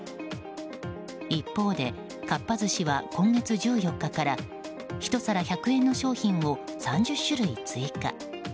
一方でかっぱ寿司は今月１４日から１皿１００円の商品を３０種類追加。